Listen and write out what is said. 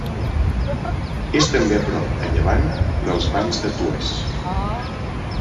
És també a prop, a llevant, dels Banys de Toès.